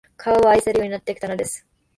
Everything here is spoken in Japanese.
川を愛するようになってきたのです